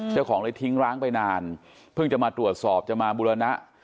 เจ้าของเลยทิ้งร้างไปนานเพิ่งจะมาตรวจสอบจะมาบุรณะ